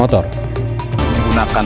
untuk penyelidikan kendaraan